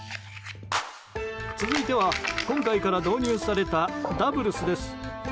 続いては、今回から導入されたダブルスです。